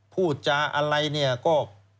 พูดจาอะไรก็